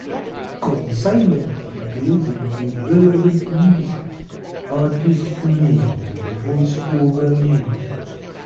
Consignment details include relevant music, artists names and voice-over names.